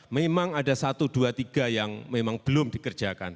memang ada satu dua tiga yang memang belum dikerjakan